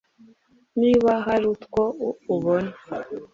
niba hari utwo ubona